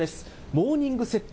モーニングセット。